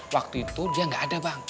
waktu itu dia nggak ada bang